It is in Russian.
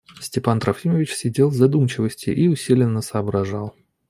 Степан Трофимович сидел в задумчивости и усиленно соображал.